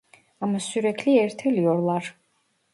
Ama sürekli erteliyorlar